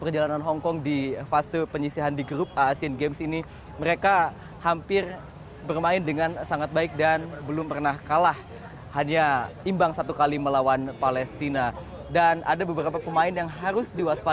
dan hongkong juga mempunyai beberapa pemain keturunan perancis dan juga inggris yang merumput di liga amerika